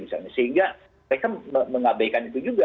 sehingga mereka mengabaikan itu juga